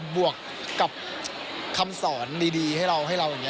บวกกับคำสอนดีให้เราให้เราอย่างนี้